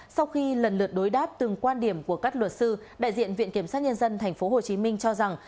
sau khi lần lượt đối đáp từng quan điểm của các luật sư đại diện viện kiểm sát nhân dân tp hcm cho rằng